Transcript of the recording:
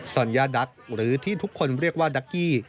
สัญญาดักหรือที่ทุกคนเรียกว่าดักกี้